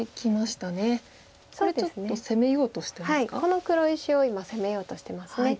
この黒石を今攻めようとしてます。